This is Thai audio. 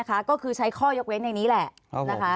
ก็คือใช้ข้อยกเว้นอย่างนี้แหละนะคะ